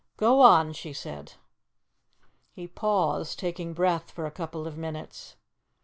"Go on," she said. He paused, taking breath, for a couple of minutes.